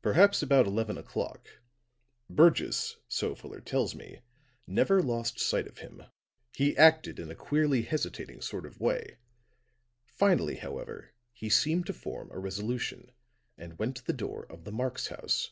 "Perhaps about eleven o'clock. Burgess, so Fuller tells me, never lost sight of him. He acted in a queerly hesitating sort of way; finally, however, he seemed to form a resolution and went to the door of the Marx house.